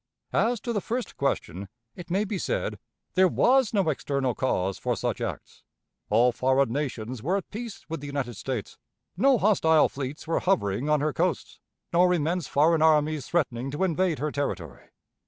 As to the first question, it may be said: There was no external cause for such acts. All foreign nations were at peace with the United States. No hostile fleets were hovering on her coasts, nor immense foreign armies threatening to invade her territory.